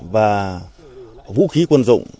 và vũ khí quân dụng